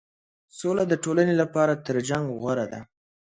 سوله د ټولنې لپاره تر جنګ غوره ده.